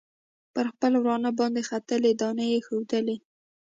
پر خپل ورانه باندې ختلي دانې یې وښودلې.